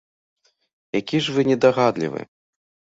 Які ж вы недагадлівы!